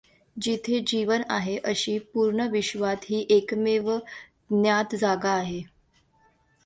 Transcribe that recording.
जिथे जीवन आहे, अशी पूर्ण विश्वात ही एकमेव ज्ञात जागा आहे.